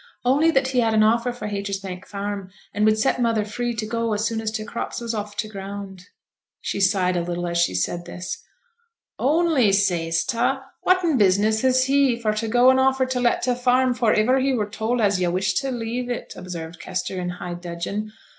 'Only that he had an offer for Haytersbank Farm, and would set mother free to go as soon as t' crops was off t' ground.' She sighed a little as she said this. "'Only!" sayst ta? Whatten business has he for to go an' offer to let t' farm afore iver he were told as yo' wished to leave it?' observed Kester, in high dudgeon.